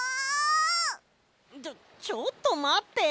ちょっとまって。